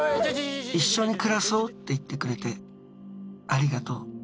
「一緒に暮らそうっていってくれてありがとう。